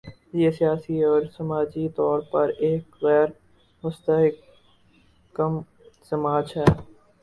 یہ سیاسی اور سماجی طور پر ایک غیر مستحکم سماج ہے۔